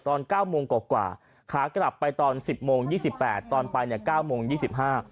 ตอนเก้าโมงกว่ากว่าขากลับไปตอนสิบโมงยี่สิบแปดตอนไปเนี่ยเก้าโมงยี่สิบห้า